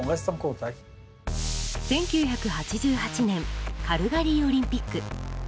１９８８年カルガリーオリンピック。